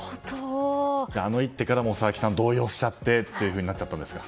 あの一手から佐々木さんは動揺しちゃってとなっちゃったんですか？